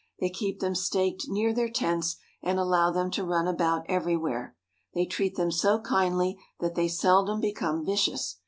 They keep them staked near their tents and allow them to run about everywhere. They treat them so kindly that they seldom become vicious.